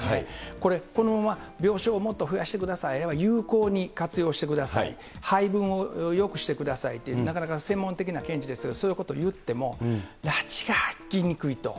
これ、このまま病床をもっと増やしてください、あるいは有効に活用してください、配分をよくしてくださいって、なかなか専門的な見地ですけれども、そういうこと言ってもらちがあきにくいと。